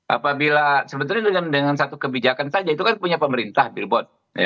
apabila sebetulnya dengan satu kebijakan saja itu kan punya pemerintah billboard